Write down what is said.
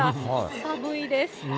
寒いです。